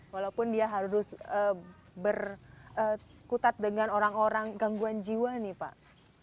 walaupun dia harus berkutat dengan orang orang gangguan jiwa nih pak